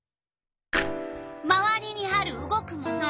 まわりにある動くもの。